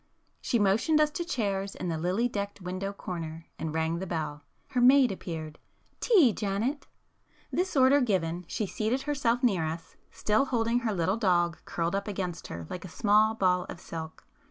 She motioned us to chairs in the lily decked window corner, and rang the bell. Her maid appeared. "Tea, Janet." [p 226]This order given, she seated herself near us, still holding her little dog curled up against her like a small ball of silk.